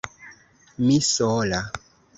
Mi sola!